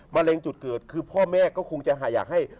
เร็งจุดเกิดคือพ่อแม่ก็คงจะอยากให้